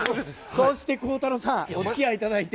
そして孝太郎さん、おつきあいいただいて。